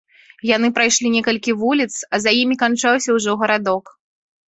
Яны прайшлі некалькі вуліц, а за імі канчаўся ўжо гарадок.